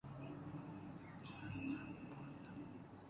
این کلیسا جَنب بانک است.